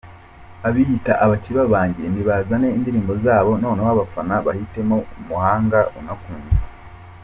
Abiyita abakeba banjye nibazane indirimbo zabo noneho abafana bahitemo umuhanga unakunzwe”.